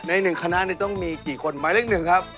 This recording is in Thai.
หนึ่งคณะนี้ต้องมีกี่คนหมายเลขหนึ่งครับ